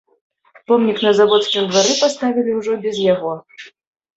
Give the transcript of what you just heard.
Помнік на заводскім двары паставілі ўжо без яго.